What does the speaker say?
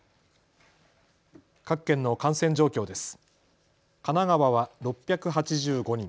各県の感染状況です。